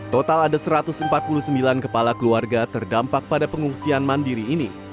total ada satu ratus empat puluh sembilan kepala keluarga terdampak pada pengungsian mandiri ini